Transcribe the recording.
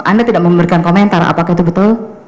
anda tidak memberikan komentar apakah itu betul